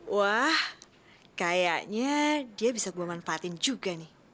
wah kayaknya dia bisa gue manfaatin juga nih